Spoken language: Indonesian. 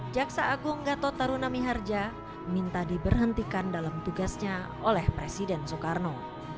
jaksa agung gatot tarunami harja minta diberhentikan dalam tugasnya oleh presiden soekarno